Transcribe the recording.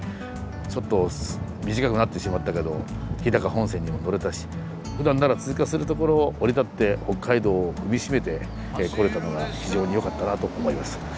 ちょっと短くなってしまったけど日高本線にも乗れたしふだんなら通過する所を降り立って北海道を踏み締めてこれたのが非常によかったなと思います。